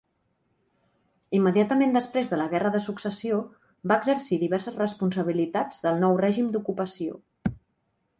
Immediatament després de la Guerra de Successió va exercir diverses responsabilitats del nou règim d'ocupació.